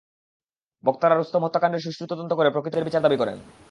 বক্তারা রুস্তম হত্যাকাণ্ডের সু্ষ্ঠু তদন্ত করে প্রকৃত খুনিদের বিচার দাবি করেন।